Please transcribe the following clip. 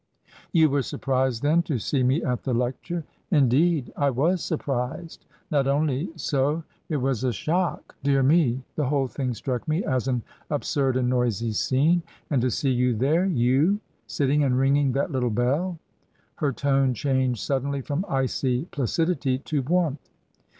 " You were surprised, then, to see me at the lecture ?" "Indeed, I was surprised. Not only so— it was a TRANSITION. 135 shock ! Dear me ! The whole thing struck me as an absurd and noisy scene. And to see you there— ^^«/ Sitting and ringing that little bell !" Her tone changed suddenly from icy placidity to warmth.